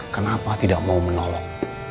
kenapa tidak mau menolong